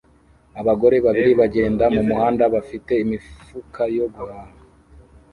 Abagore babiri bagenda mumuhanda bafite imifuka yo guhaha